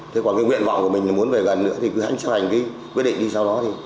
thế còn cái nguyện vọng của mình là muốn về gần nữa thì cứ hãnh chấp hành quyết định đi sau đó